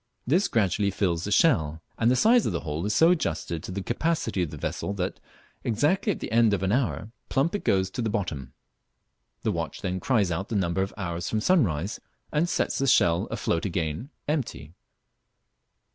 This gradually fills the shell, and the size of the hole is so adjusted to the capacity of the vessel that, exactly at the end of an hour, plump it goes to the bottom. The watch then cries out the number of hours from sunrise and sets the shell afloat again empty.